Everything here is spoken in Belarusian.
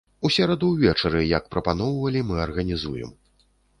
У сераду ўвечары, як прапаноўвалі, мы арганізуем.